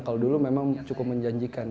kalau dulu memang cukup menjanjikan